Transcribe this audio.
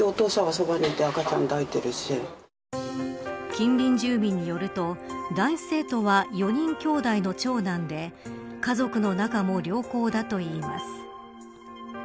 近隣住民によると男子生徒は４人きょうだいの長男で家族の仲も良好だといいます。